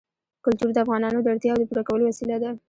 کلتور د افغانانو د اړتیاوو د پوره کولو وسیله ده.